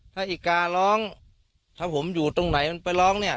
ถ้าอีการ้องถ้าผมอยู่ตรงไหนมันไปร้องเนี่ย